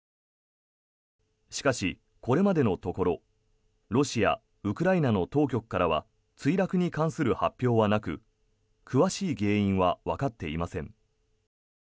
しかし、これまでのところロシア、ウクライナの当局からは墜落に関する発表はなく詳しい原因はわかっていません。